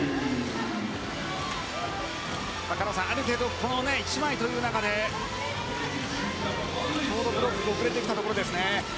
狩野さん、ある程度１枚という中でちょうどブロック遅れてきたところですが。